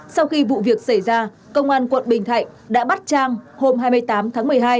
sau khi vụ việc xảy ra công an quận bình thạnh đã bắt trang hôm hai mươi tám tháng một mươi hai